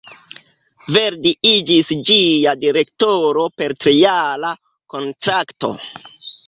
Verdi iĝis ĝia direktoro per trijara kontrakto.